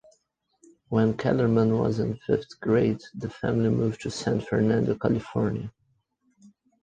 When Kellerman was in fifth grade, the family moved to San Fernando, California.